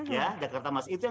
ya jakarta masa depan